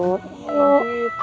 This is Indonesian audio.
udah gue nurut